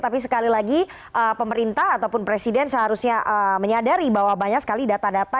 tapi sekali lagi pemerintah ataupun presiden seharusnya menyadari bahwa banyak sekali data data